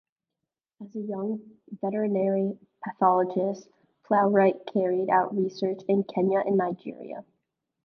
As a young veterinary pathologist, Plowright carried out research in Kenya and Nigeria.